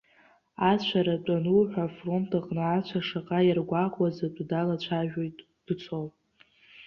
Ацәара атәы ануҳәа, афронт аҟны ацәа шаҟа иаргәаҟуаз атәы далацәажәоит дцо.